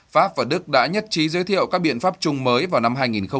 pháp và đức đã nhất trí giới thiệu các biện pháp chung mới vào năm hai nghìn hai mươi